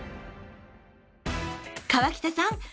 川北さん